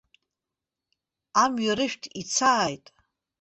Амҩа рышәҭ, ицааит!